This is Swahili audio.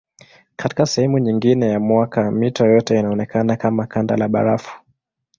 Katika sehemu nyingine ya mwaka mito yote inaonekana kama kanda la barafu.